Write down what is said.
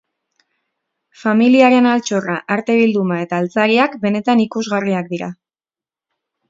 Familiaren altxorra, arte bilduma eta altzariak benetan ikusgarriak dira.